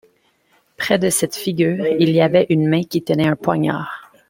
Près de cette figure il y avait une main qui tenait un poignard.